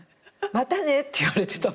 「またね」って言われてた。